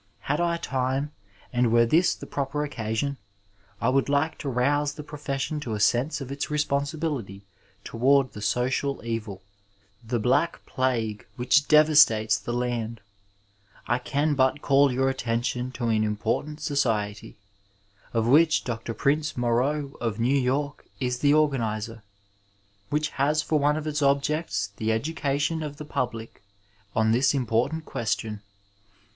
BM I time, and were this the {Mroper occasicm, I would like to rouse the profession to a sense of its responsibility toward 4d8 Digitized by Google UNITY, PEACE AND OONOOED the sooial evil — ^the black plague whioh devastates the land I can but call your attention to an importaat society, of which Dr. Pfiace Morrow, of New York, is the organizer, which has for one of its objects the education of the public on this important question.